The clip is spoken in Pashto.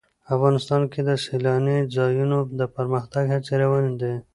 افغانستان کې د سیلاني ځایونو د پرمختګ هڅې روانې دي.